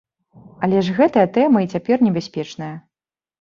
Але ж гэтая тэма і цяпер небяспечная!